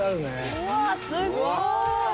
うわすごい！